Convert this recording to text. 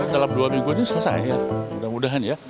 dalam dua minggu ini selesai ya mudah mudahan ya